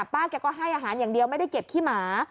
ป้าแกก็ให้อาหารอย่างเดียวไม่ได้เก็บขี้หมา